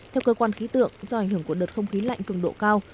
theo cơ quan khí tượng do ảnh hưởng của đợt không khí lạnh cường độ cao